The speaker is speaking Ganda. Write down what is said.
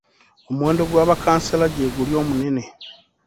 Omuwendo gwa bakkansala gye guli omunene.